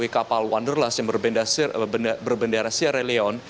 kapal wanderlust yang berbendara sierra leone